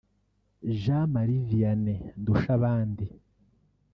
Jean Marie Vianney Ndushabandi